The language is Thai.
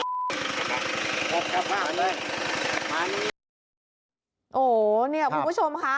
โหเนี่ยคุณผู้ชมคะ